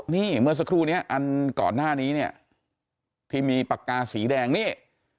นี่เมื่อสักครู่นี้อันก่อนหน้านี้เนี่ยที่มีปากกาสีแดงนี่